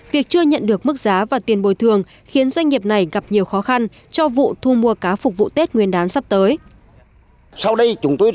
việc chưa nhận được mức giá và tiền bồi thường khiến doanh nghiệp này gặp nhiều khó khăn cho vụ thu mua cá phục vụ tết nguyên đán sắp tới